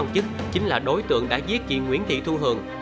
chính là đối tượng đã giết chị nguyễn thị thu hường